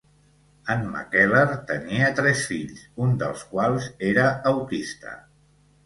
En Mackellar tenia tres fills, un dels quals era autista.